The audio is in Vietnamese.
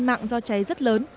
nhân mạng do cháy rất lớn